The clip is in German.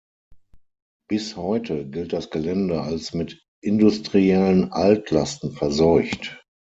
Bis heute gilt das Gelände als mit industriellen Altlasten verseucht.